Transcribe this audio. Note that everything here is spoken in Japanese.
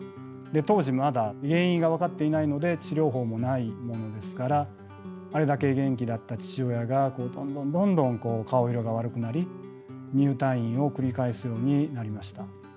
当時まだ原因が分かっていないので治療法もないものですからあれだけ元気だった父親がどんどんどんどん顔色が悪くなり入退院を繰り返すようになりました。